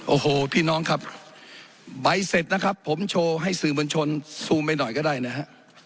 โอ้โหพี่น้องครับใบเสร็จนะครับผมโชว์ให้สื่อมวลชนซูมไปหน่อยก็ได้นะฮะ